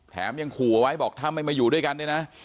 แถมยังขู่ไว้บอกทำให้มาอยู่ด้วยกันด้วยนะ